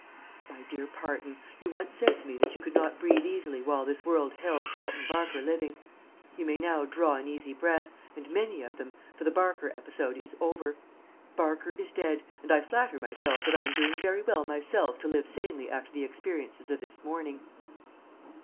"My Dear Parton, You once said to me that you could not breathe easily while this world held Carleton Barker living. You may now draw an easy breath, and many of them, for the Barker episode is over. Barker is dead, and I flatter myself that I am doing very well myself to live sanely after the experiences of this morning.